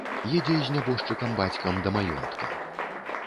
Едзе з нябожчыкам бацькам да маёнтка.